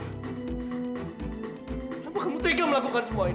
kenapa kamu tega melakukan semua ini